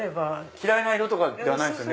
嫌いな色とかではないですよね？